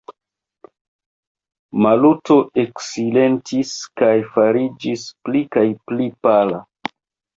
Maluto eksilentis kaj fariĝis pli kaj pli pala.